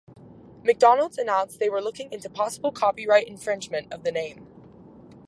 McDonald's announced they were looking into possible copyright infringement of the name.